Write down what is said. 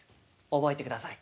覚えてください。